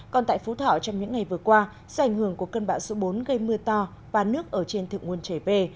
còn tại phú thảo trong những ngày vừa qua do ảnh hưởng của cơn bão số bốn gây mưa to và nước ở trên thượng nguồn chảy về